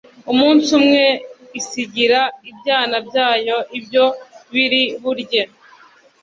umunsi umwe isigira ibyana byayo ibyo biri burye